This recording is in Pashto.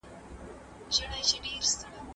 آیا روغتون تر زندان ګټور دی؟